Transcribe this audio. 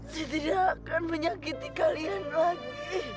saya tidak akan menyakiti kalian lagi